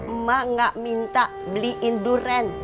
emak nggak minta beliin durian